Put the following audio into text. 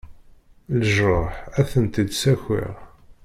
Leǧruḥ ad-ten-id-sakiɣ.